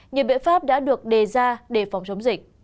nhiều biện pháp đã được đề ra để phòng chống dịch